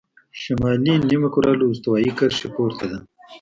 شمالي نیمهکره له استوایي کرښې پورته ده.